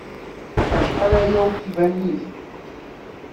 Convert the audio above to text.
Acḥal aya ur d-iban Yidir.